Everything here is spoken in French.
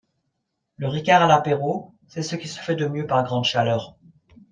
Le ricard à l'apéro c'est ce qui se fait de mieux par grande chaleur